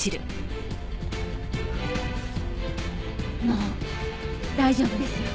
もう大丈夫ですよ。